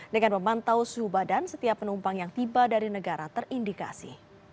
dengan memantau suhu badan setiap penumpang yang tiba dari negara terindikasi